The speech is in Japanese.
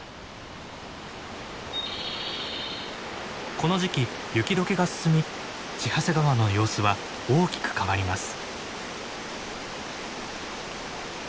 この時期雪どけが進み千走川の様子は大きく変わります。